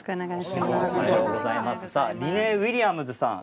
リネー・ウィリアムズさん